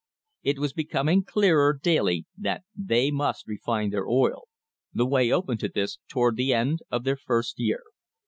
It was becoming clearer daily that they must refine their oil. The way opened to this toward the end of their first year.